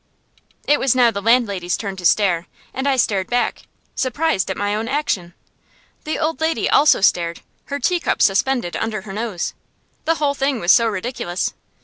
It was now the landlady's turn to stare, and I stared back, surprised at my own action. The old lady also stared, her teacup suspended under her nose. The whole thing was so ridiculous!